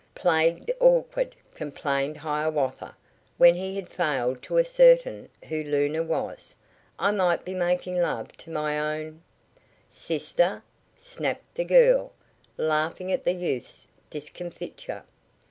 "Plagued awkward," complained Hiawatha when he had failed to ascertain who Luna was. "I might be making love to my own " "Sister!" snapped the girl, laughing at the youth's discomfiture.